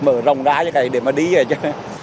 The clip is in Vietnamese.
mở rộng ra như thế này để mà đi về cho